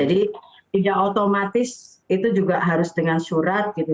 jadi tidak otomatis itu juga harus dengan surat gitu